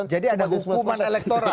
jadi ada hukuman elektoral